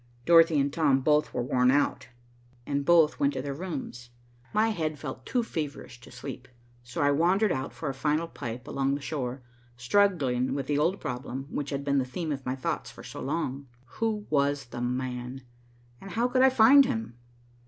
Dorothy and Tom both were worn out, and both went to their rooms. My head felt too feverish to sleep, so I wandered out for a final pipe along the shore, struggling with the old problem which had been the theme of my thoughts for so long, who was "the man," and how could I find him?